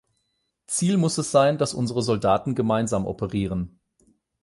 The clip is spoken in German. Ziel muss es sein, dass unsere Soldaten gemeinsam operieren.